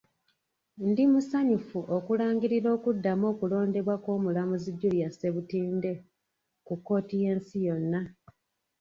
Ndi musanyufu okulangirira okuddamu okulondebwa kw'omulamuzi Julia Ssebutinde ku kkooti y'ensi yonna.